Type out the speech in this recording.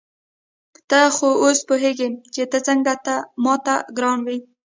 ته خو اوس پوهېږې چې ته څنګه ما ته ګران وې.